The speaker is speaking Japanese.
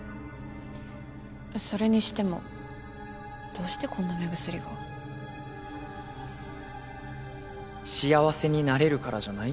それにしてもどうしてこんな目薬が。幸せになれるからじゃない？